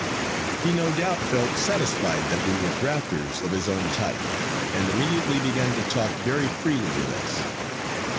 He no doubt felt satisfied that we were grafters of his own type, and immediately began to talk very freely with us.